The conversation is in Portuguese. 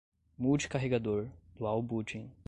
multi-carregador, dual booting